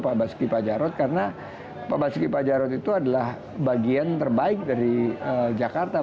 pak basuki pajarot karena pak basuki pajarot itu adalah bagian terbaik dari jakarta